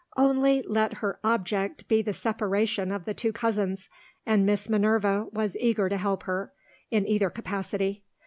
Only let her object be the separation of the two cousins and Miss Minerva was eager to help her, in either capacity.